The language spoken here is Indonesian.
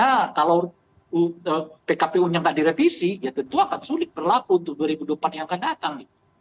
karena kalau pkpu nya gak direvisi ya tentu akan sulit berlaku untuk dua ribu dua puluh yang akan datang